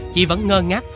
chị vẫn ngơ ngác